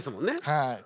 はい。